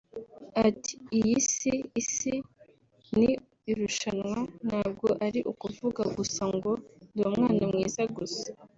Ati “Iyi Si (isi) ni irushanwa ntabwo ari ukuvuga gusa ngo ndi umwana mwiza gusa